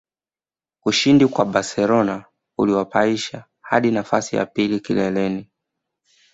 Ushindi kwa Barcelona uliwapaisha hadi nafasi ya pili kileleni